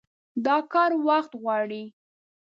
دا کار وخت غواړي.